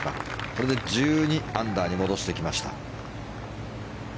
これで１２アンダーに戻してきました。